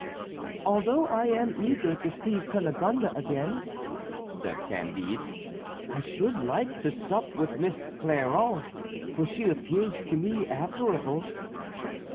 "Although I am eager to see Cunegonde again," said Candide, "I should like to sup with Miss Clairon, for she appears to me admirable."